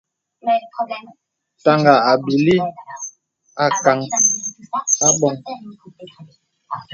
Taŋā à bìlī ākàŋ abɔ̄ŋ.